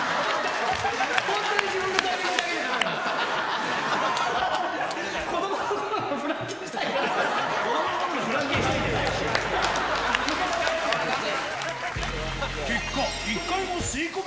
本当に自分のタイミングだけじゃだめ。